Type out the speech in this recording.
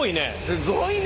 すごいね！